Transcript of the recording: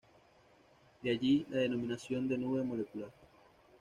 De allí la denominación de nube molecular.